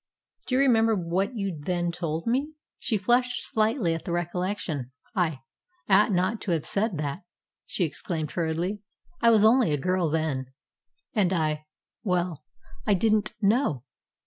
Do you remember what you then told me?" She flushed slightly at the recollection. "I I ought not to have said that," she exclaimed hurriedly. "I was only a girl then, and I well, I didn't know."